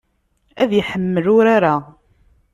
Ad iḥemmel urar-a.